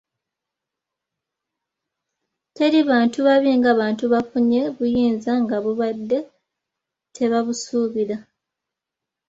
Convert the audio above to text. Teri bantu babi nga bantu bafunye buyinza nga babadde tebabusuubira.